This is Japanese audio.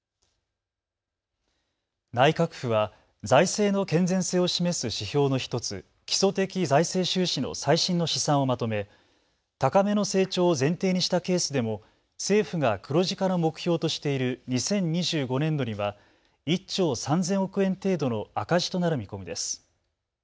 内閣府は財政の健全性を示す指標の１つ、基礎的財政収支の最新の試算をまとめ高めの成長を前提にしたケースでも政府が黒字化の目標としている２０２５年度には１兆３０００億円程度の赤字となる見込みです。